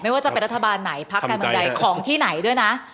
ไม่ว่าจะเป็นรัฐบาลไหนพรรคกันบางใดของที่ไหนด้วยนะ